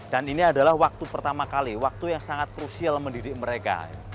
dan ini adalah waktu pertama kali waktu yang sangat krusial mendidik mereka